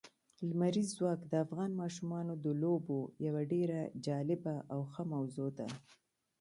لمریز ځواک د افغان ماشومانو د لوبو یوه ډېره جالبه او ښه موضوع ده.